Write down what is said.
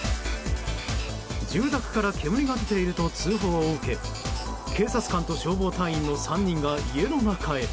住宅から煙が出ていると通報を受け警察官と消防隊員の３人が家の中へ。